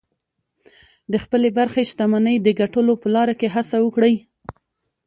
د خپلې برخې شتمنۍ د ګټلو په لاره کې هڅه وکړئ